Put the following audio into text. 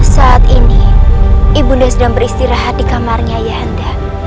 saat ini ibu nda sedang beristirahat di kamarnya ayahanda